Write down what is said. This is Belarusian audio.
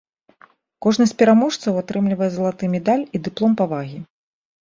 Кожны з пераможцаў атрымлівае залаты медаль і дыплом павагі.